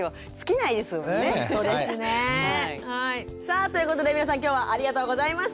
さあということで皆さん今日はありがとうございました。